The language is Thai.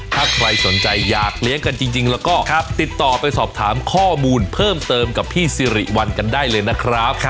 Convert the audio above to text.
ถ้าใครสนใจอยากเลี้ยงกันจริงแล้วก็ติดต่อไปสอบถามข้อมูลเพิ่มเติมกับพี่สิริวัลกันได้เลยนะครับ